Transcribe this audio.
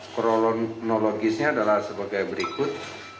kronologisnya adalah sebagai berikut